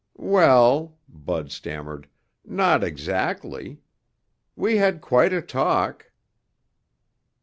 "Well," Bud stammered, "not exactly. We had quite a talk."